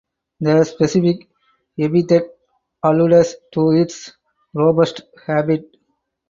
The specific epithet alludes to its robust habit.